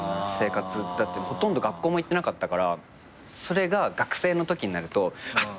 だってほとんど学校も行ってなかったからそれが学生のときになるとはっ！